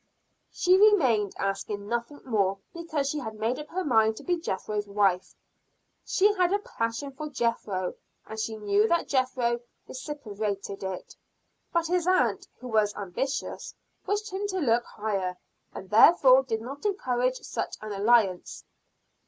She remained, asking nothing more, because she had made up her mind to be Jethro's wife. She had a passion for Jethro, and she knew that Jethro reciprocated it. But his aunt, who was ambitious, wished him to look higher; and therefore did not encourage such an alliance.